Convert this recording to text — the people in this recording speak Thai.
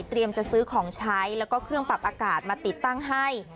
จะซื้อของใช้แล้วก็เครื่องปรับอากาศมาติดตั้งให้